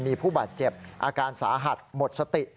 มีผู้บาดเจ็บอาการสาหัสหมดสติ